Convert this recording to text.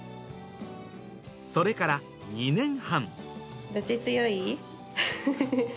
それから２年半。